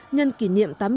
nhân kỷ niệm tám mươi bảy